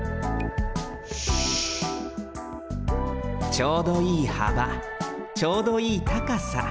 ちょうどいいはばちょうどいいたかさ。